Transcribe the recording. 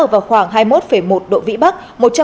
vào khoảng hai mươi một một độ vĩ bắc